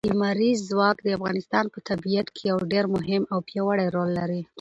لمریز ځواک د افغانستان په طبیعت کې یو ډېر مهم او پیاوړی رول لري.